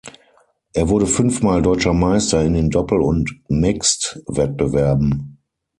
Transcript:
Er wurde fünfmal deutscher Meister in den Doppel- und Mixed-Wettbewerben.